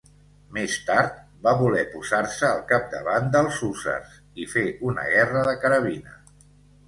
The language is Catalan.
Més tard, va voler posar-se al capdavant dels hússars i fer una guerra de carabina.